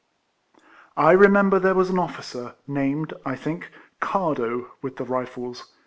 I EEMEMBER there was an officer, named, I think, Cardo, with the Rifles.